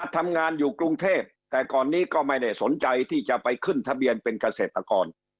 ทำงานอยู่กรุงเทพแต่ก่อนนี้ก็ไม่ได้สนใจที่จะไปขึ้นทะเบียนเป็นเกษตรกร